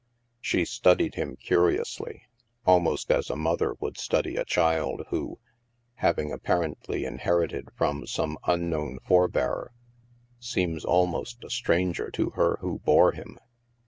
She studied him curiously, almost as a mother would study a child who, having apparently inher ited from some unknown forebear, seems almost a stranger to her who bore him.